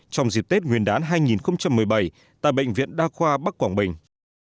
trong dịp tết nguyên đán hai nghìn một mươi bảy tại bệnh viện đa khoa bắc quảng bình